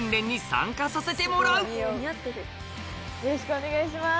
よろしくお願いします。